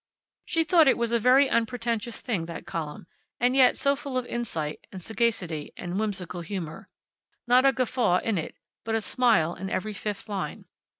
She thought it was a very unpretentious thing, that column, and yet so full of insight, and sagacity, and whimsical humor. Not a guffaw in it, but a smile in every fifth line.